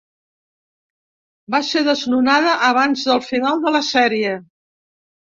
Va ser desnonada abans del final de la sèrie.